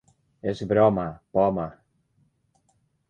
És broma, poma.